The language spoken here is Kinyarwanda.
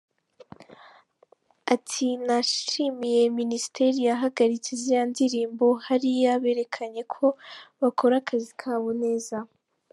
Ati, “Nashimiye Minisiteri yahagaritse ziriya ndirimbo , hariya berekanye ko bakora akazi kabo neza.